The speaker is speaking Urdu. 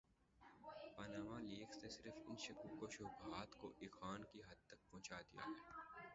پانامہ لیکس نے صرف ان شکوک وشبہات کو ایقان کی حد تک پہنچا دیا ہے۔